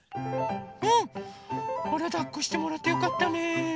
あらだっこしてもらってよかったね。